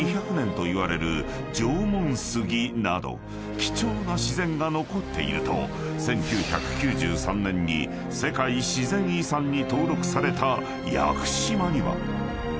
［貴重な自然が残っていると１９９３年に世界自然遺産に登録された屋久島には］